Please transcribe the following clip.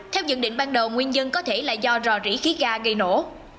theo dự định ban đầu nguyên dân có thể là do rò rỉ khí ga gây nổ